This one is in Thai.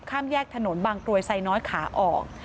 ข้ามแยกถนนบางกรวยไซน้อยขาออก